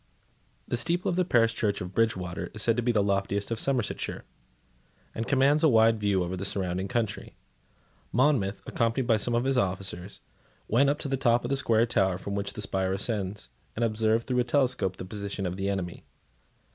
The steeple of the parish church of Bridgewater is said to be the loftiest of Somersetshire, and commands a wide view over the surrounding country. Monmouth, accompanied by some of his officers, went up to the top of the square tower from which the spire ascends, and observed through a telescope the position of the enemy.